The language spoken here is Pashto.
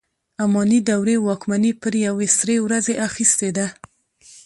اماني دورې واکمني پر یوې سرې ورځې اخیستې ده.